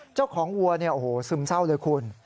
เจ้าของวัวเนี่ยโอ้โหซึมเศร้าเลยคุณ